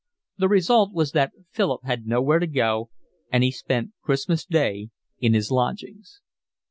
The result was that Philip had nowhere to go, and he spent Christmas Day in his lodgings.